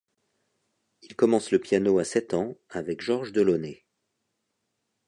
Il commence le piano à sept ans, avec Georges de Lausnay.